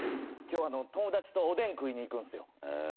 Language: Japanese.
今日友達とおでん食いに行くんすよ。